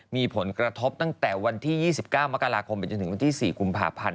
มีผลกระทบตั้งแต่วันที่๒๙มกราคมไปจนถึงวันที่๔กุมภาพันธ์